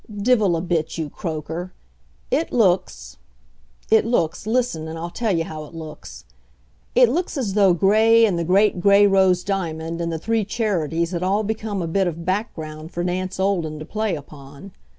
Divil a bit, you croaker! It looks it looks listen and I'll tell you how it looks. It looks as though Gray and the great Gray rose diamond and the three Charities had all become a bit of background for Nance Olden to play upon.